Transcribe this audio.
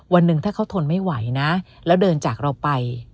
วันหนึ่งถ้าเขาทนไม่ไหวนะแล้วเดินจากเราไป